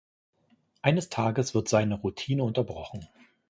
Eines Tages wird seine Routine unterbrochen.